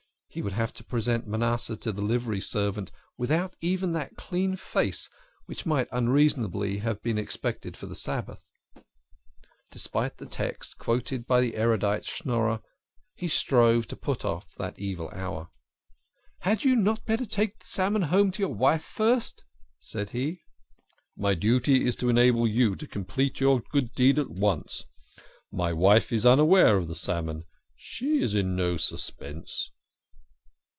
He would have to present Manasseh to the livery servant without even that clean face which might not un reasonably have been expected for the Sabbath. Despite the text quoted by the erudite Schnorrer, he strove to put off the evil hour. " Had you not better take the salmon home to your wife first?" said he. " My duty is to enable you to complete your good deed at once. My wife is unaware of the salmon. She is in no suspense."